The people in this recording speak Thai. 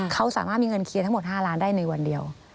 เขาสามารถมีเงินเคลียร์ทั้งหมด๕ล้านได้ในวันเดียว